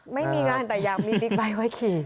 ไม่มีงานแต่อยากมีบิ๊กไบท์ไว้ขี่